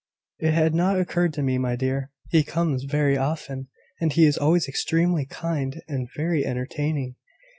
"It had not occurred to me, my dear. He comes very often, and he is always extremely kind and very entertaining.